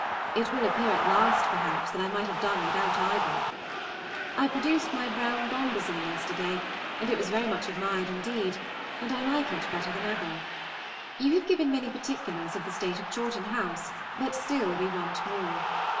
It will appear at last, perhaps, that I might have done without either. I produced my brown bombazine yesterday, and it was very much admired indeed, and I like it better than ever. You have given many particulars of the state of Chawton House, but still we want more.